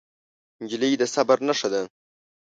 نجلۍ د صبر نښه ده.